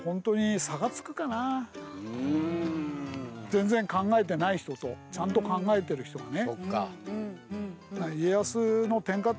全然考えてない人とちゃんと考えてる人がね。